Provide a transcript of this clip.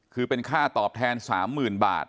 คือเป็นค่าตอบแทน๓๐๐๐บาท